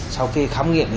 sau khi khám nghiệm